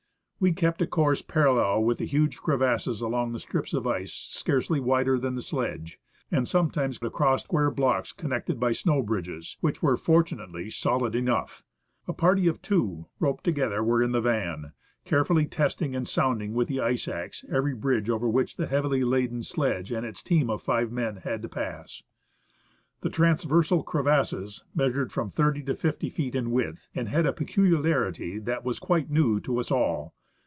We kept a course parallel with the huge crevasses along strips of ice scarcely wider than the sledge, and sometimes across square blocks connected by snow bridges, which were, fortunately, solid enough.. A party of two, roped together, were in the van, carefully 112 u 3 pi < H CO o <: W O SEWARD GLACIER, DOME PASS, AND AGASSIZ GLACIER testing and "sounding" with the ice axe every bridge over which the heavily laden sledge and its team of five men had to pass. The transversal crevasses measured from 30 to 50 feet in width, and had a pecuHarity that was quite new ' to us all.